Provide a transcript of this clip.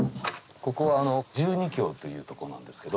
ここは十二橋というとこなんですけど。